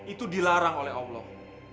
itu dilarang oleh allah